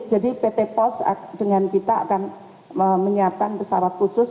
jadi pt pos dengan kita akan menyiapkan pesawat khusus